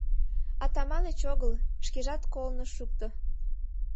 Атаманыч огыл, шкежат колын ыш шукто.